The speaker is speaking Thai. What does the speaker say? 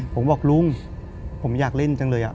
ผมบอกลุงผมอยากเล่นจังเลย